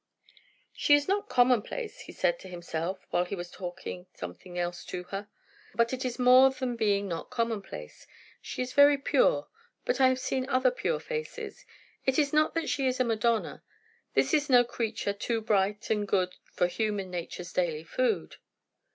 She is not commonplace, he said to himself, while he was talking something else to her; but it is more than being not commonplace. She is very pure; but I have seen other pure faces. It is not that she is a Madonna; this is no creature ".... too bright and good For human nature's daily food."